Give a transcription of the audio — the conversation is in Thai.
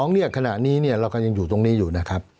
เนี่ยขณะนี้เราก็ยังอยู่ตรงนี้อยู่นะครับ